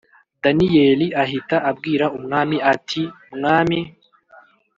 Daniyeli ahita abwira umwami ati mwami